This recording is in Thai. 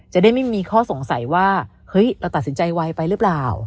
จะได้ไม่มีข้อสงสัยว่าเฮ้ยเราตัดสินใจไวไปหรือเปล่า